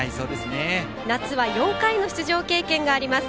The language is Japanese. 夏は４回の出場経験があります。